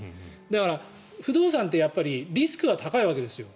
だから、不動産ってリスクは高いわけですよ。